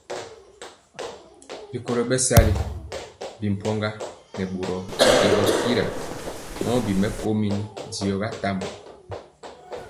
Rikolo bɛsali bi mpɔga nɛ boro tyiegɔ kira mɔ bi mɛkomeni diɔ tambɔ.